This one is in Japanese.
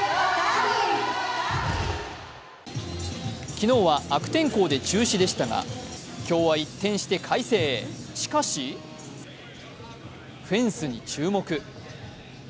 昨日は悪天候で中止でしたが、今日は一転して快晴、しかしフェンスに注目。